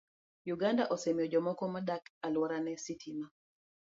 Uganda osemiyo jomoko modak e alworane sitima.